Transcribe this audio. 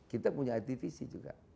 kita punya aktivisi juga